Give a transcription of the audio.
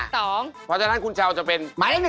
เพราะฉะนั้นคุณเช้าจะเป็น